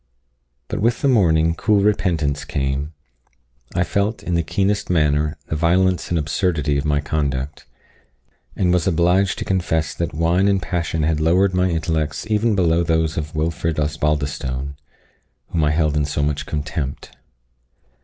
But with the morning cool repentance came. I felt, in the keenest manner, the violence and absurdity of my conduct, and was obliged to confess that wine and passion had lowered my intellects even below those of Wilfred Osbaldistone, whom I held in so much contempt.